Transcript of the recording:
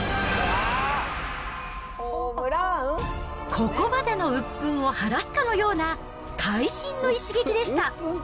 ここまでのうっぷんを晴らすかのような会心の一撃でした。